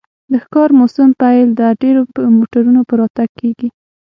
د ښکار موسم پیل د ډیرو موټرو په راتګ کیږي